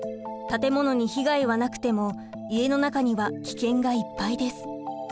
建物に被害はなくても家の中には危険がいっぱいです。